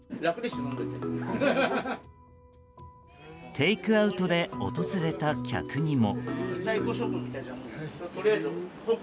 テイクアウトで訪れた客にも。